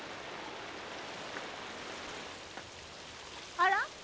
あら？